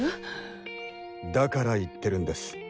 だから言ってるんです。